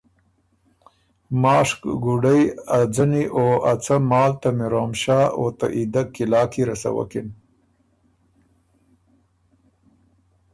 ماشک ګُډئ ا ځنی او ا څۀ مال ته میروم شاه او ته عیدک قلعه کی رسوکِن۔